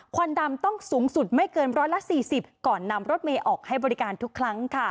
ควันดำต้องสูงสุดไม่เกิน๑๔๐ก่อนนำรถเมย์ออกให้บริการทุกครั้ง